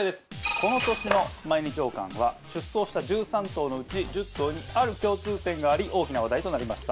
この年の毎日王冠は出走した１３頭のうち１０頭にある共通点があり大きな話題となりました